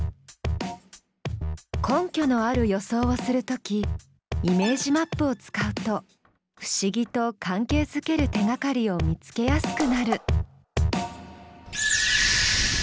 根拠のある予想をする時イメージマップを使うと不思議と関係づける手がかりを見つけやすくなる。